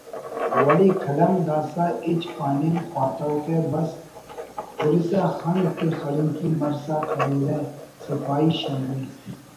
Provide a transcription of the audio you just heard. ولے قلم داسہ ہچ پاننگ خواتوکہ بس ہرسا خنک تے خڑینکی مرسا کریرہ سپاہی شمبے